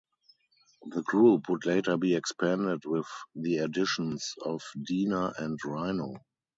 The group would later be expanded with the additions of Deaner and Rhino.